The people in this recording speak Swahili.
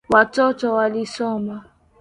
Watoto walisoma.